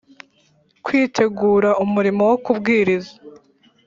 Kwitegura umurimo wo kubwiriza